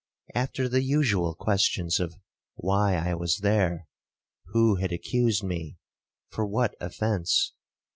After the usual questions of—Why I was there? who had accused me? for what offence?